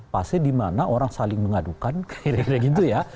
fase dimana orang saling mengadukan kira kira gitu ya